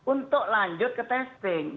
untuk lanjut ke testing